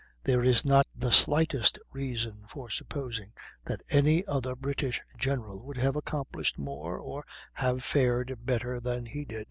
There is not the slightest reason for supposing that any other British general would have accomplished more or have fared better than he did.